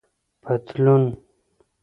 👖پطلون